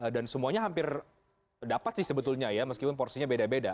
dan semuanya hampir dapat sih sebetulnya ya meskipun porsinya beda beda